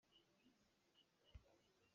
Kawpihlum hlum thum in rak caw.